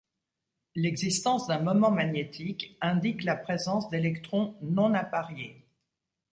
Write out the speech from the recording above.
L’existence d’un moment magnétique indique la présence d’électrons non appariés.